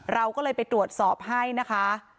เราก็เลยไปตรวจสอบให้นะคะ